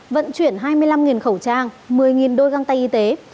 vận chuyển hai mươi năm khẩu trang một mươi đôi găng tay y tế